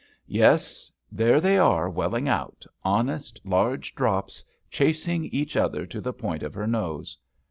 Yes, there they are welling out, honest large drops, chasing each other to the point of her nose.